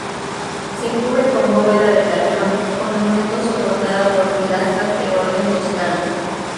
Se cubre con bóveda de cañón con lunetos soportada por pilastras de orden toscano.